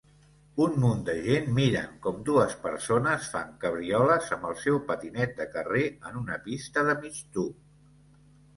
Un munt de gent miren com dues persones fan cabrioles amb el seu patinet de carrer en una pista de migtub.